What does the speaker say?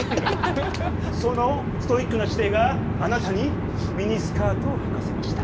そのストイックな姿勢があなたにミニスカートをはかせました。